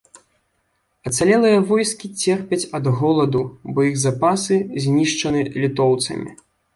Ацалелыя войскі церпяць ад голаду, бо іх запасы знішчаны літоўцамі.